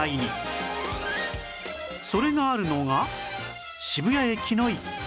それがあるのが渋谷駅の一角